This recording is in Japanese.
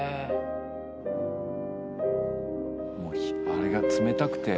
あれが冷たくて。